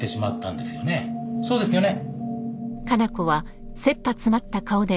そうですよね？